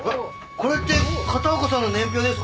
これって片岡さんの年表ですか？